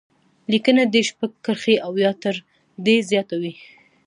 لیکنه دې شپږ کرښې او یا تر دې زیاته وي.